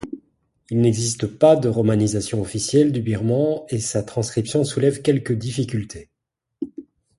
Il n'existe pas de romanisation officielle du birman et sa transcription soulève quelques difficultés.